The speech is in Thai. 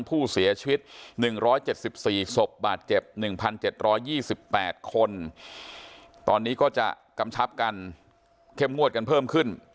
ผู้เสียชีวิต๑๗๔ศพบาดเจ็บ๑๗๒๘คนตอนนี้ก็จะกำชับกันเข้มงวดกันเพิ่มขึ้น